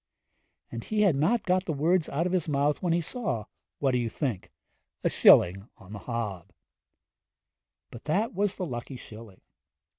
And he had not got the words out of his mouth when he saw what do you think? a shilling on the hob! But that was the lucky shilling.